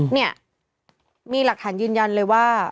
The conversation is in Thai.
เนี่ยมีหลักฐานยืนยันเลยว่า